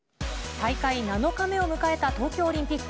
大会７日目を迎えた東京オリンピック。